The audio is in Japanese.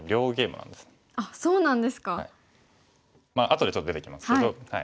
あとでちょっと出てきますけど。